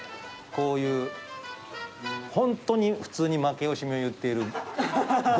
こういうホントに普通に負け惜しみを言っている５１歳の先輩を。